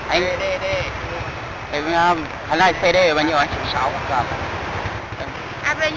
anh anh này cd là bao nhiêu anh